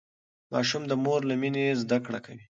ماشوم د مور له مينې زده کړه کوي.